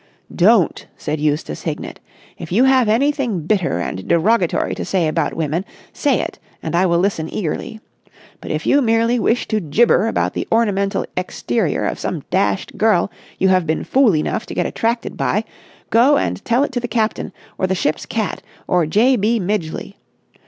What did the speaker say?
"Don't!" said Eustace Hignett. "If you have anything bitter and derogatory to say about women, say it and I will listen eagerly. But if you merely wish to gibber about the ornamental exterior of some dashed girl you have been fool enough to get attracted by, go and tell it to the captain or the ship's cat or J. B. Midgeley.